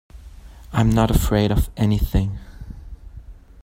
I'm not afraid of anything.